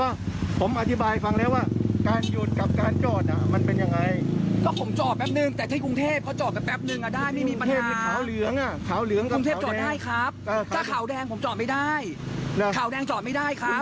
อาจารย์บ้างผมอธิบายฟังแล้วว่าการหยุดกับการจอดมันเป็นยังไง